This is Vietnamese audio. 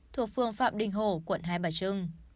thuộc phương phạm đình hồ quận hai bà trưng